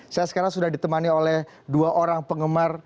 saya sekarang sudah ditemani oleh dua orang penggemar